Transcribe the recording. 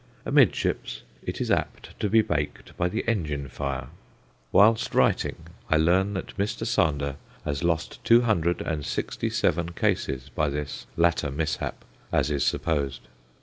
Amidships it is apt to be baked by the engine fire. Whilst writing I learn that Mr. Sander has lost two hundred and sixty seven cases by this latter mishap, as is supposed.